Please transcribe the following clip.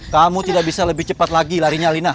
kamu tidak bisa lebih cepat lagi larinya lina